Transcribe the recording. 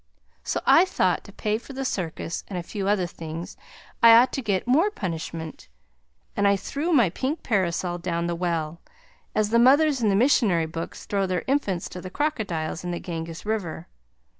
So I thought, to pay for the circus and a few other things, I ought to get more punishment, and I threw my pink parasol down the well, as the mothers in the missionary books throw their infants to the crocodiles in the Ganges river.